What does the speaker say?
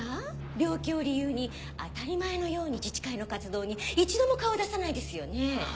・病気を理由に当たり前のように自治会の活動に一度も顔を出さないですよね。